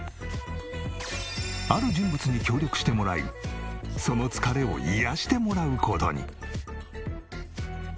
ある人物に協力してもらいその疲れを癒やしてもらう事に。